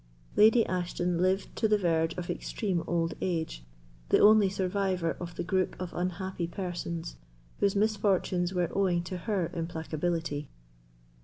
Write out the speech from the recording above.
Lady Ashton lived to the verge of extreme old age, the only survivor of the group of unhappy persons whose misfortunes were owing to her implacability.